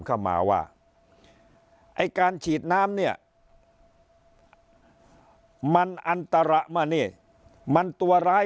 เข้ามาว่าไอ้การฉีดน้ำเนี่ยมันอันตระมานี่มันตัวร้าย